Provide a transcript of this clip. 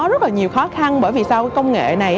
rất là nhiều khó khăn bởi vì sao công nghệ này